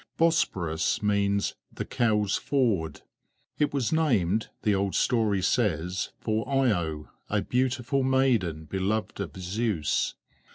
Bosporus means "the cow's ford." It was named, the old story says, for Io, a beautiful maiden beloved of Zeus.